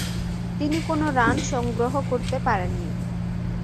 তিনি কোন রান সংগ্রহ করতে পারেননি।